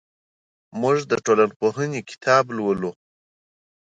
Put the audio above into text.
موږ د ټولنپوهنې کتاب لولو.